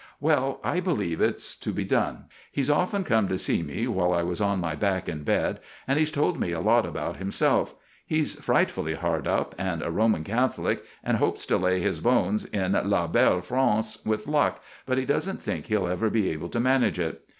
"Well, I believe it's to be done. He's often come to see me while I was on my back in bed, and he's told me a lot about himself. He's frightfully hard up, and a Roman Catholic, and hopes to lay his bones in la belle France with luck, but he doesn't think he'll ever be able to manage it.